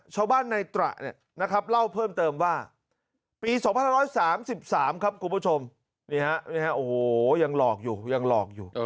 ชาวบ้านในตระนะครับเล่าเพิ่มเติมว่าปี๒๓๓๓ครับคุณผู้ชมโอ้โหยังหลอกอยู่